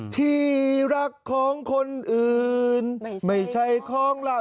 ที่รักของคนอื่นไม่ใช่ของเรา